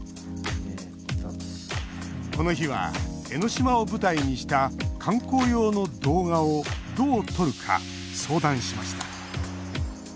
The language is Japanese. この日は江ノ島を舞台にした観光用の動画をどう撮るか相談しました。